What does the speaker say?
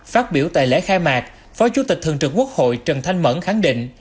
phát biểu tại lễ khai mạc phó chủ tịch thường trực quốc hội trần thanh mẫn khẳng định